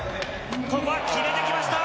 ここは決めてきました！